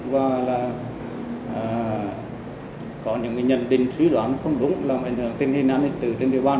và có những nhận định suy đoán không đúng làm ảnh hưởng tình hình nắm tình hình trên địa bàn